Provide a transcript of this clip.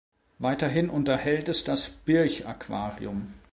Weiterhin unterhält es das "Birch Aquarium".